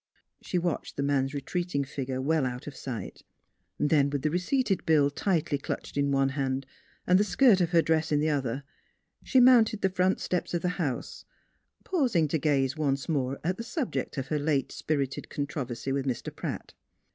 She watched the man's retreating figure well out NEIGHBORS 7 of sight; then with the receipted bill tightly clutched in one hand and the skirt of her dress in the other, she mounted the front steps of the house, pausing to gaze once more at the subject of her late spirited controversy with Mr. Pratt.